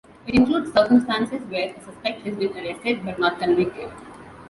It includes circumstances where a suspect has been arrested, but not convicted.